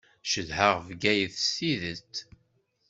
Cedhaɣ Bgayet s tidet.